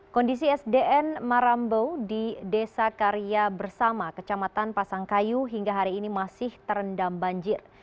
kondisi sdn marambau di desa karya bersama kecamatan pasangkayu hingga hari ini masih terendam banjir